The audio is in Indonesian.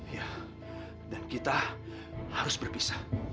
ya dan kita harus berpisah